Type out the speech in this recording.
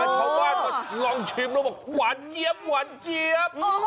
ชาวบ้านมาลองชิมแล้วบอกหวานเยี่ยมหวานเจี๊ยบ